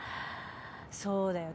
そうだよ。